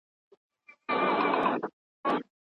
تخیل یې پیاوړی کوي.